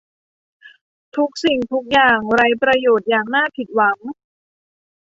ทุกสิ่งดูเหมือนไร้ประโยชน์อย่างน่าผิดหวัง